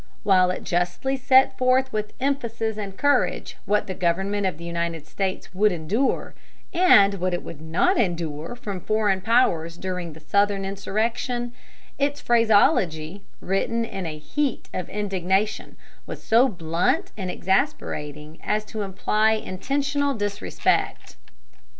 While it justly set forth with emphasis and courage what the government of the United States would endure and what it would not endure from foreign powers during the Southern insurrection, its phraseology, written in a heat of indignation, was so blunt and exasperating as to imply intentional disrespect.